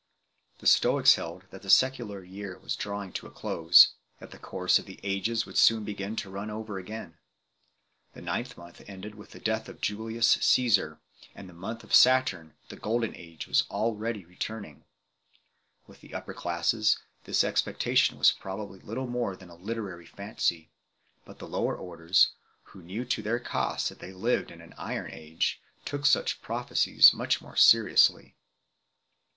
The Stoics held that the secular year was drawing to a close, that the course of the ages would soon begin to run over again. The ninth month ended with the death of Julius Caesar, and the month of Saturn, the golden age, was already returning 2 . With the upper classes this expectation was probably little more than a literary fancy; but the lower orders, who knew to their cost that they lived in an iron age, took such pro phecies much more seriously.